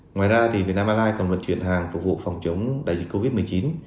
ngoài ra vietnam airlines còn vận chuyển hàng phục vụ phòng chống đại dịch covid một mươi chín